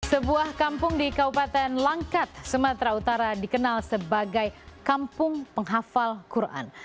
sebuah kampung di kabupaten langkat sumatera utara dikenal sebagai kampung penghafal quran